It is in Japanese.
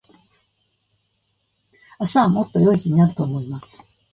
明日はもっと良い日になると思います。